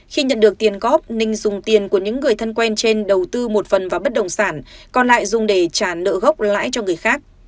khi nhận được tiền góp ninh dùng tiền của những người thân quen trên đầu tư một phần vào bất đồng sản còn lại dùng để trả nợ gốc lãi cho người khác